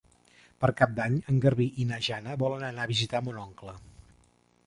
Per Cap d'Any en Garbí i na Jana volen anar a visitar mon oncle.